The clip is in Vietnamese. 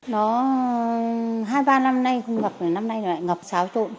nó hai ba năm nay cũng ngập